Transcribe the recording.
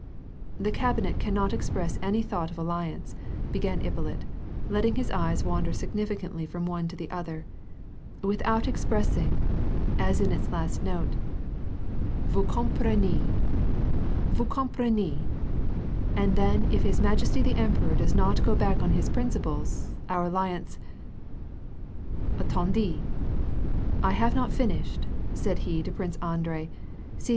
"The cabinet cannot express any thought of an alliance," began Ippolit, letting his eyes wander significantly from one to the other, " without expressing — as in its last note — vous eamprenez — vous compreriez — and then if his majesty the Emperor does not go back on his principles, our alliance — AtUndeZy 1 have not finished," said he to Prince Andrei, seiz ft 8 WAR AND PEACE.